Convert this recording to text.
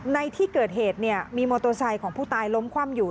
ในที่เกิดเหตุเนี่ยมีมอเตอร์ไซค์ของผู้ตายล้มคว่ำอยู่